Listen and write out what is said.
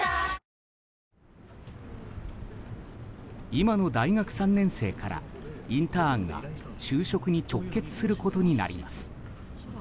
今の大学３年生からインターンが就職に直結することになります。